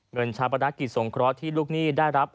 เงินชาวประนักกิจสงเคราะห์ที่ลูกหนี้ได้รับ